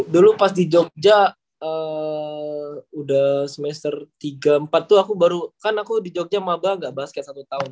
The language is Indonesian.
dulu pas di jogja udah semester tiga puluh empat tuh aku baru kan aku di jogja mabah gak basket satu tahun